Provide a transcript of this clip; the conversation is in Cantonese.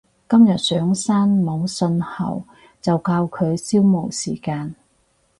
今日上山冇訊號就靠佢消磨時間